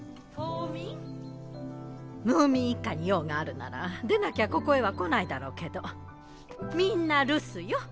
ムーミン一家に用があるならでなきゃここへは来ないだろうけどみんな留守よ。